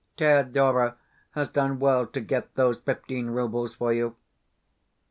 Thedora has done well to get those fifteen roubles for you.